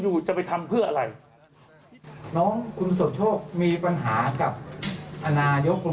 อยู่จะไปทำเพื่ออะไรน้องคุณสมโชคมีปัญหากับนายก